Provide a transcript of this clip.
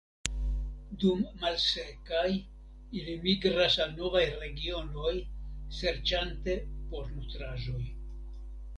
Dum malsekaj ili migras al novaj regionoj serĉante por nutraĵoj.